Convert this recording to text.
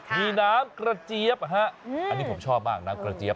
มีน้ำกระเจี๊ยบอันนี้ผมชอบมากน้ำกระเจี๊ย